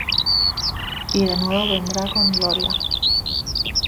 y de nuevo vendrá con gloria